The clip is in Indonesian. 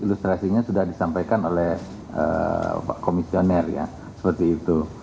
ilustrasinya sudah disampaikan oleh komisioner ya seperti itu